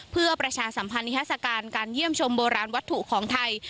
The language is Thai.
เพื่อประชาสัมพันธ์นิทัศกาลการเยี่ยมชมโบราณวัตถุของไทย